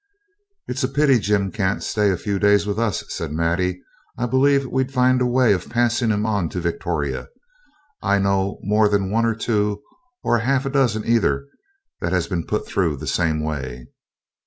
'It's a pity Jim can't stay a few days with us,' says Maddie; 'I believe we'd find a way of passing him on to Victoria. I've known more than one or two, or half a dozen either, that has been put through the same way.'